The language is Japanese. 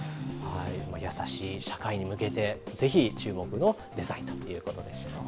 優しい社会に向けて、ぜひ注目のデザインということでした。